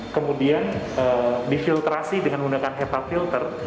kemudian difiltrasi dengan menggunakan hepa filter